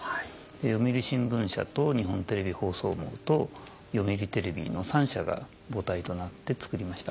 読売新聞社と日本テレビ放送網と読売テレビの３社が母体となってつくりました。